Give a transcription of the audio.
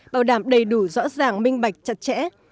bảo đảm đầy đủ rõ ràng minh bạch chặt chẽ